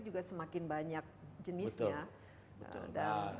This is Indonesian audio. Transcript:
juga semakin banyak jenisnya